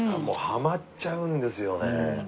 もうハマっちゃうんですよね。